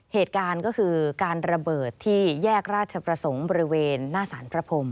เหตุการณ์ก็คือการระเบิดที่แยกราชประสงค์บริเวณหน้าสารพระพรม